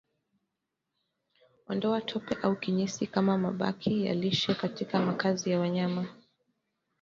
Ondoa tope au kinyesi ama mabaki ya lishe katika makazi ya wanyama